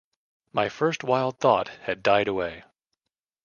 My first wild thought had died away.